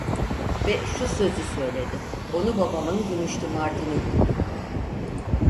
Ve şu sözü söyledi: "Onu babamın gümüşlü martini vurdu!"